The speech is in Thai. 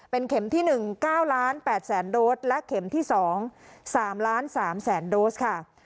เป็นเข็มที่๑๙๘๐๐๐โดสและเข็มที่๒๓๓๐๐๐โดสค่ะ